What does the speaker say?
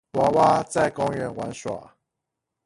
娃娃在公園玩耍